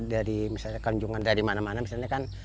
dari misalnya kunjungan dari mana mana misalnya kan